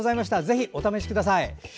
ぜひお試しください。